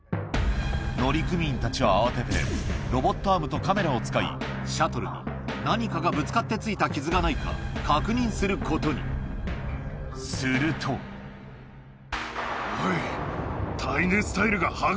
乗組員たちは慌ててロボットアームとカメラを使いシャトルに何かがぶつかって付いた傷がないか確認することにするとおい。